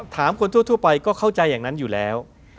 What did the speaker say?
ถามคนทั่วไปก็เข้าใจอย่างนั้นอยู่แล้ว